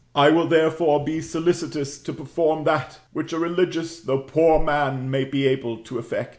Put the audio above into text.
I will, therefore, be solicitous to perform that which a religious though poor man may be able to effect.